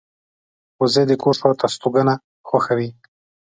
وزې د کور شاته استوګنه خوښوي